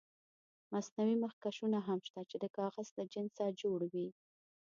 مصنوعي مخکشونه هم شته چې د کاغذ له جنسه جوړ وي.